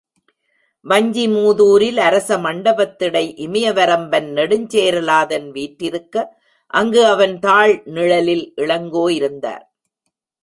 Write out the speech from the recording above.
வஞ்சி முதுாரில் அரச மண்டபத்திடை இமயவரம்பன் நெடுஞ் சேரலாதன் வீற்றிருக்க அங்கு அவன் தாள் நிழலில் இளங்கோ இருந்தார்.